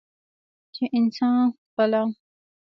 چې انسان خپله